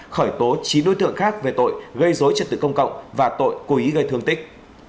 khởi tố chín đối tượng khác về tội gây dối trật tự công cộng và tội cố ý gây thương tích